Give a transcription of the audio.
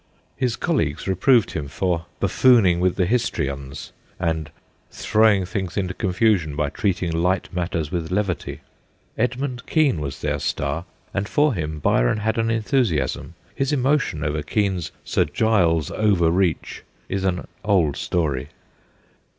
His colleagues reproved him for 'buffooning with the Histrions, and throwing things into confusion by treating light matters with levity/ Edmund Kean was their star, and for him Byron had an enthusiasm ; his emotion over Kean's ' Sir Giles Overreach ' is an old story.